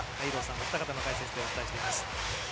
お二方の解説でお伝えしています。